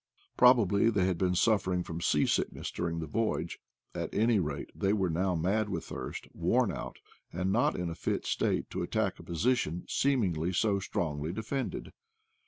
Probably they had been suffering from sea sick ness during the voyage; at any rate, they were now mad with thirst, worn out, and not in a fit state to attack a position seemingly so strongly defended.